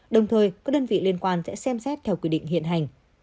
đồng thời các đơn vị liên quan sẽ xem xét theo quy định hiện hành